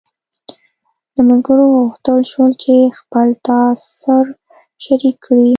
له ملګرو وغوښتل شول چې خپل تاثر شریک کړي.